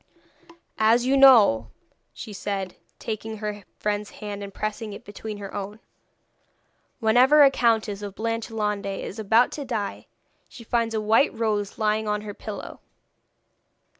'As you know,' she said, taking her friend's hand and pressing it between her own, 'whenever a Countess of Blanchelande is about to die she finds a white rose lying on her pillow.